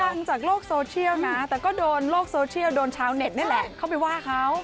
ฟังจากโลกโซเชียลนะแต่ก็โดนโลกโซเชียลโดนชาวเน็ตนี่แหละเข้าไปว่าเขา